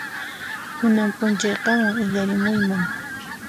Kunan p'unchay qanwan illarimuyman.